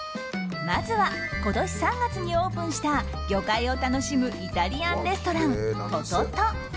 まずは今年３月にオープンした魚介を楽しむイタリアンレストラン、トトト。